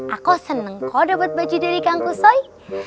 aku seneng kau dapat baju dari tangguh soi